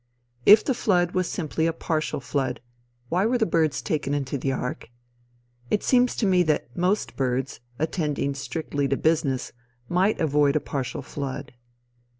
If the flood was simply a partial flood, why were birds taken into the ark? It seems to me that most birds, attending strictly to business, might avoid a partial flood.